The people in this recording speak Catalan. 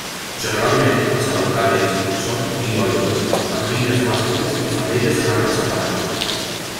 Generalment les araucàries són dioiques, amb pinyes mascles i femelles en arbres separats.